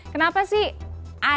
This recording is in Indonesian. kemudian juga jeju do pulau jeju